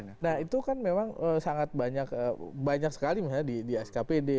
nah itu kan memang sangat banyak sekali misalnya di skpd